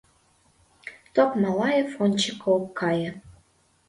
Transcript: — Токмалаев ончыко ок кае.